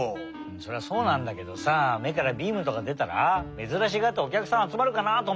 それはそうなんだけどさめからビームとかでたらめずらしがっておきゃくさんあつまるかなとおもって。